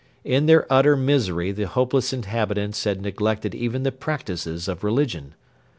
In their utter misery the hopeless inhabitants had neglected even the practices of religion.